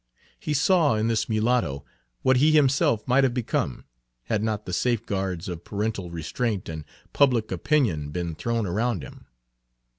He saw in this mulatto what he himself might have become had not the safeguards of parental restraint and public opinion been thrown around him.